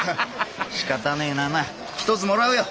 しかたねえな一つもらうよ。